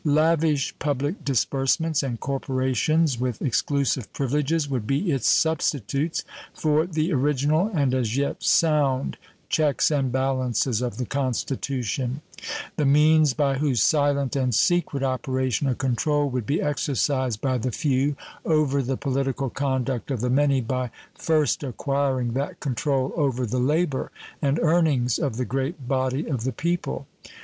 Lavish public disbursements and corporations with exclusive privileges would be its substitutes for the original and as yet sound checks and balances of the Constitution the means by whose silent and secret operation a control would be exercised by the few over the political conduct of the many by first acquiring that control over the labor and earnings of the great body of the people.